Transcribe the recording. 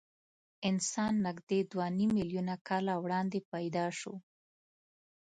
انسان نږدې دوه نیم میلیونه کاله وړاندې پیدا شو.